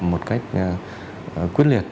một cách quyết liệt